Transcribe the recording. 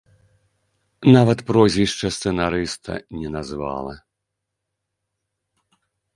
Нават прозвішча сцэнарыста не назвала.